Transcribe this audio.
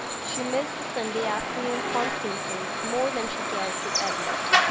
She missed the Sunday afternoon conferences more than she cared to admit.